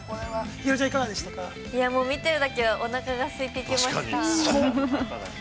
◆いや、もう見てるだけで、おなかがすいてきました。